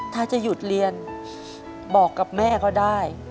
ถ้าจะหยุดเรียนบอกกับแม่เขาได้